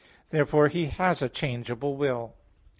Therefore He has a changeable will.